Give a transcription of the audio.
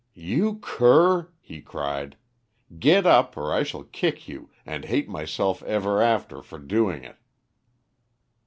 "You cur!" he cried. "Get up, or I shall kick you, and hate myself ever after for doing it."